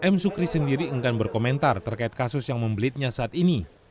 m sukri sendiri enggan berkomentar terkait kasus yang membelitnya saat ini